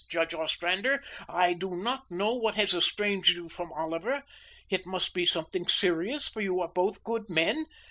Judge Ostrander, I do not know what has estranged you from Oliver. It must be something serious; for you are both good men.